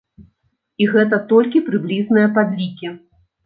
І гэта толькі прыблізныя падлікі.